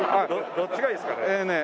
どっちがいいですかね？